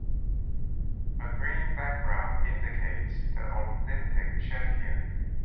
A green background indicates the Olympic champion.